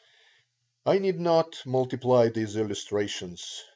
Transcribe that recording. I need not multiply these illustrations.